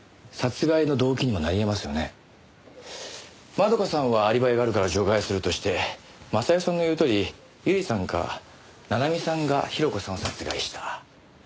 円香さんはアリバイがあるから除外するとして雅代さんの言うとおり百合さんか七海さんが広子さんを殺害した。